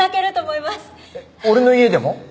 俺の家でも？